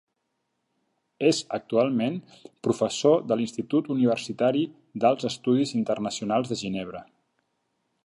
És actualment professor de l'Institut Universitari d'Alts Estudis Internacionals de Ginebra.